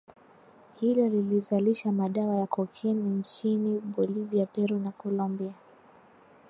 hilo lilizalisha madawa ya Cocaine nchinin Bolivia Peru na Colombia